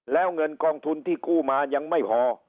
แล้วเงินกองทุนที่กู้มายังไม่พอ